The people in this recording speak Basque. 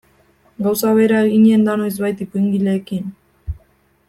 Gauza bera eginen da noizbait ipuingileekin?